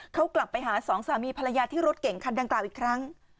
เขากลับไปหาสองสามีภรรยาที่รถเก่งคันดังกล่าวอีกครั้ง